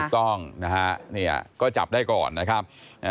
ถูกต้องนะฮะเนี่ยก็จับได้ก่อนนะครับ